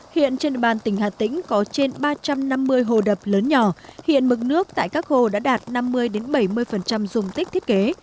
hiện trên bàn tỉnh hà tĩnh có trên ba trăm năm mươi hồ đập lớn nhỏ hiện mực nước tại các hồ đã đạt năm mươi bảy mươi dùng tích thiết kế